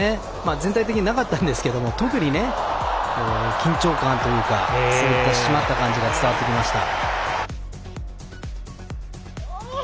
全体的になかったんですけど特にね、緊張感というか引き締まった感じが伝わってきました。